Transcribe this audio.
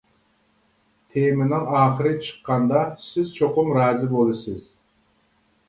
تېمىنىڭ ئاخىرى چىققاندا سىز چوقۇم رازى بولىسىز.